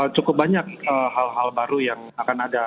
cukup banyak hal hal baru yang akan ada